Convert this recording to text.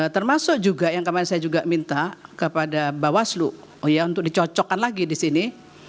termasuk juga yang kemarin saya juga minta kepada bawaslu oh ya untuk dicocokkan lagi di sini